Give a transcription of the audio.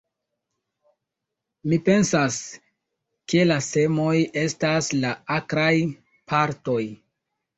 Mi pensas, ke la semoj estas la akraj partoj.